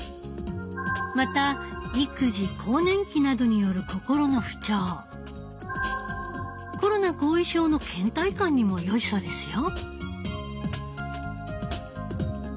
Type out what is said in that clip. また育児更年期などによる心の不調コロナ後遺症の倦怠感にも良いそうですよ。